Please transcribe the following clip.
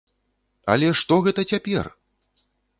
Але што гэта цяпер!